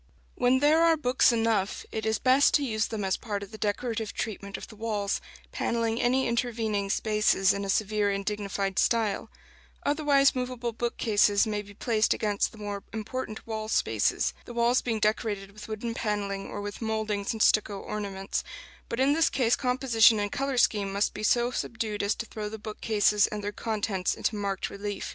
When there are books enough, it is best to use them as part of the decorative treatment of the walls, panelling any intervening spaces in a severe and dignified style; otherwise movable bookcases may be placed against the more important wall spaces, the walls being decorated with wooden panelling or with mouldings and stucco ornaments; but in this case composition and color scheme must be so subdued as to throw the bookcases and their contents into marked relief.